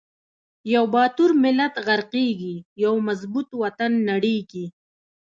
یو باتور ملت غر قیږی، یو مضبوط وطن نړیږی